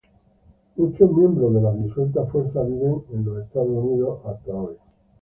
Muchos miembros de la disuelta fuerza viven en Estados Unidos hasta hoy.